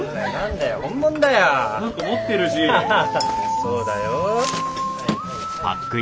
そうだよ。